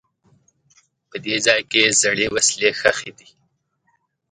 په دې ځای کې زړې وسلې ښخي دي.